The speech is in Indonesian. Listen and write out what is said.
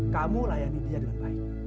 kamu layani dia dengan baik